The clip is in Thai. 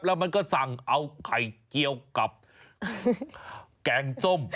แล้วมันก็สั่งเอาไข่เจียวกับแกงส้ม